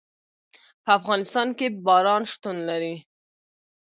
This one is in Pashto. په افغانستان کې باران شتون لري.